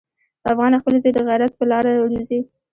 افغان خپل زوی د غیرت په لاره روزي.